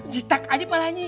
jitak aja pak lanyi